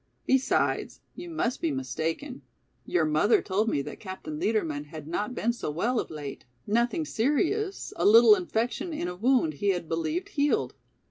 "Besides, you must be mistaken, your mother told me that Captain Liedermann had not been so well of late, nothing serious, a little infection in a wound he had believed healed.